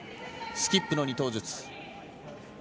スキップの２投ずつ。